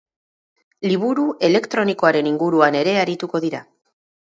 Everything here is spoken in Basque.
Liburu elektronikoaren inguruan ere ariutko dira.